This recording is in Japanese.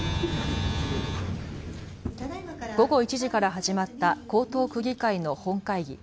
午後１時から始まった江東区議会の本会議。